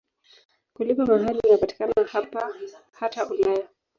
Kulipa mahari unapatikana hata Ulaya.